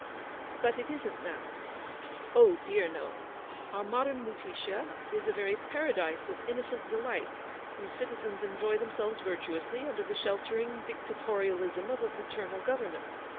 "But it isn't now?" " Oh dear, no. Our modern Lutetia is a very paradise of innocent delights, whose citizens erijoy themselves virtuously under the sheltering dictatorialism of a paternal government.